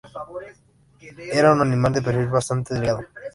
Era un animal de perfil bastante delgado.